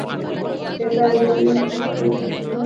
এটাতো আইনবিরুদ্ধ, তোমার জানানো উচিত।